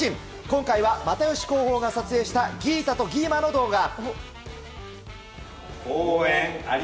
今回は、又吉広報が撮影したギータとギーマの動画。